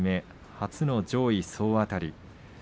初の上位総当たり。